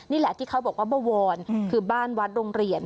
นี่แหละที่เขาบอกว่าบวรคือบ้านวัดโรงเรียน